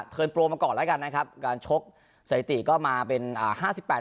เทินโปรมาก่อนแล้วกันนะครับการชกสถิติก็มาเป็นอ่าห้าสิบแปด